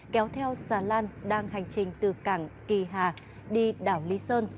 kéo theo xà lan đang hành trình từ cảng kỳ hà đi đảo lý sơn